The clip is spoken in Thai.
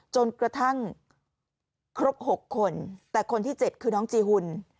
จนกระทั่งครบ๖คนแต่คนที่๗คือน้องจีหุ่น